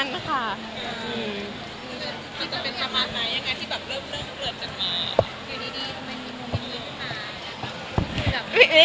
คิวจะเป็นความรักไหมยังไงที่แบบเริ่มเริ่มจากมา